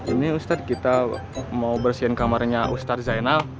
ini ustadz kita mau bersihin kamarnya ustadz zainal